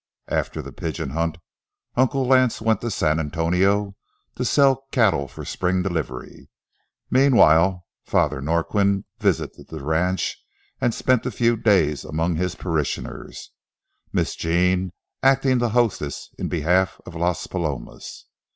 After the pigeon hunt, Uncle Lance went to San Antonio to sell cattle for spring delivery. Meanwhile, Father Norquin visited the ranch and spent a few days among his parishioners, Miss Jean acting the hostess in behalf of Las Palomas.